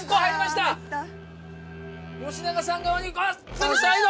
次最後！